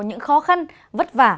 những khó khăn vất vả